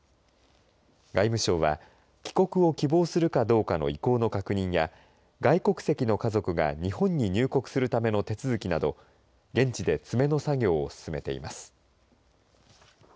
外務省は帰国を希望するかどうかの意向の確認や外国籍の家族が日本に入国するための手続きなど現地で詰めの作業を進めています。